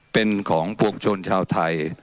เป็นของปวงชนชาวไทย